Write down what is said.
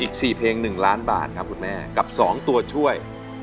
อีก๔เพลง๑ล้านบาทครับคุณแม่กับ๒ตัวช่วย